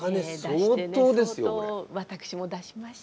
相当私も出しました。